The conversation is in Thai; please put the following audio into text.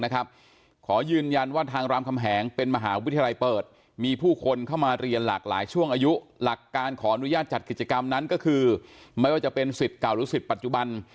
ก็คือไม่ว่าจะเป็นสิทธิ์เก่าหรือสิทธิ์ปัจจุบัน